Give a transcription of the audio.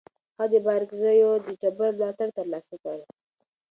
هغه د بارکزیو د ټبر ملاتړ ترلاسه کړ.